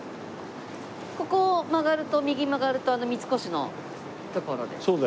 ここを曲がると右曲がると三越の所です。